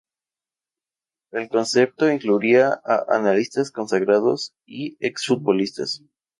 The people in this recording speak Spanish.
El concepto incluiría a analistas consagrados y ex futbolistas.